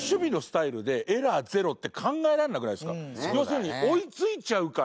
要するに追い付いちゃうから。